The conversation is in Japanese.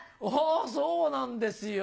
そうなんですよ。